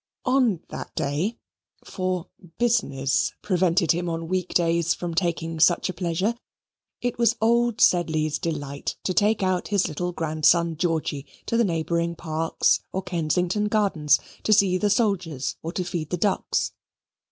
On that day, for "business" prevented him on weekdays from taking such a pleasure, it was old Sedley's delight to take out his little grandson Georgy to the neighbouring parks or Kensington Gardens, to see the soldiers or to feed the ducks.